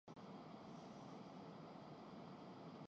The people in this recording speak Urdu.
تصویر کو یک رنگی بھی بنا سکتے